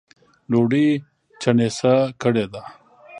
ډوډۍ چڼېسه کړې ده